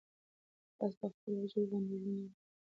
آس په خپل وجود باندې د ژوند نوی رنګ او نوی عزم ولید.